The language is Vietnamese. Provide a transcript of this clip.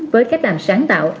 với cách làm sáng tạo